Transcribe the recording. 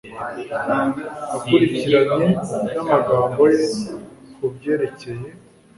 akurikiranye n'amagambo ye ku byerekeye